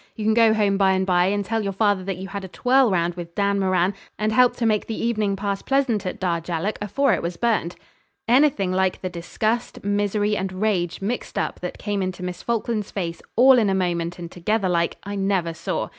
You can go home by'n by, and tell your father that you had a twirl round with Dan Moran, and helped to make the evening pass pleasant at Darjallook afore it was burned.' Anything like the disgust, misery, and rage mixed up that came into Miss Falkland's face all in a moment and together like, I never saw.